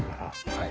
はい。